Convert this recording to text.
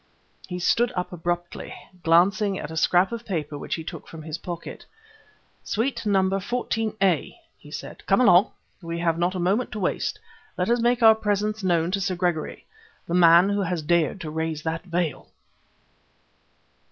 He stood up abruptly, glancing at a scrap of paper which he took from his pocket "Suite Number 14a," he said. "Come along! We have not a moment to waste. Let us make our presence known to Sir Gregory the man who has dared to raise that veil."